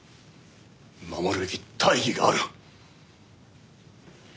守るべき大義がある。